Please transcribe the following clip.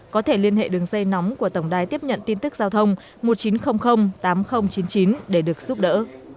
có thể liên hệ đường dây nóng của tổng đài tiếp nhận tin tức giao thông một nghìn chín trăm linh tám nghìn chín mươi chín để được giúp đỡ